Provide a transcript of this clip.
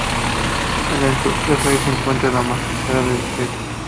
En el sur de Raipur se encuentra la meseta de Deccan.